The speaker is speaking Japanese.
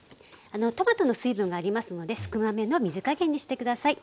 トマトの水分がありますので少なめの水加減にして下さい。